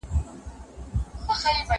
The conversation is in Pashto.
هغه وويل چي سندري ښکلې ده!.